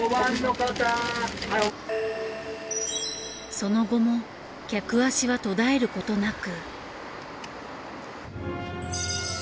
その後も客足は途絶えることなく。